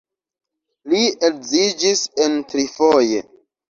Li edziĝis en trifoje.